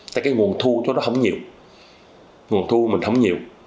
tại cái nguồn thu cho nó không nhiều nguồn thu mình không nhiều